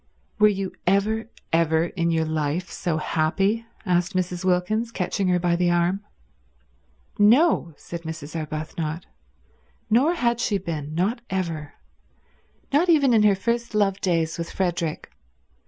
"Were you ever, ever in your life so happy?" asked Mrs. Wilkins, catching her by the arm. "No," said Mrs. Arbuthnot. Nor had she been; not ever; not even in her first love days with Frederick.